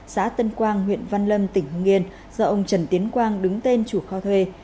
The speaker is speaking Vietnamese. xã tân quang huyện văn lâm tỉnh hưng yên do ông trần tiến quang đứng tên chủ kho thuê